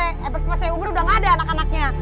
epek pas saya beranak anak udah gak ada anak anaknya